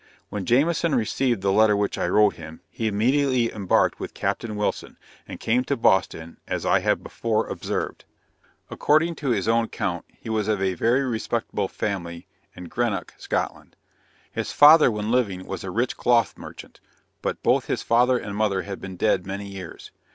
When Jamieson received the letter which I wrote him, he immediately embarked with Captain Wilson, and came to Boston, as I have before observed. According to his own account he was of a very respectable family in Greenock, Scotland. His father when living was a rich cloth merchant, but both his father and mother had been dead many years.